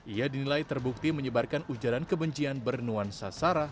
ia dinilai terbukti menyebarkan ujaran kebencian bernuan sasara